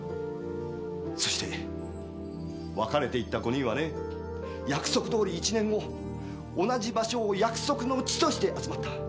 そして別れていった５人はね約束どおり１年後同じ場所を約束の地として集まった。